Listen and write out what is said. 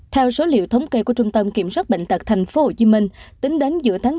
theo số liệu thống kê của trung tâm kiểm soát bệnh tật tp hcm tính đến giữa tháng bốn